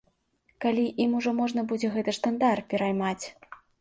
Калі ім ужо можна будзе гэты штандар пераймаць?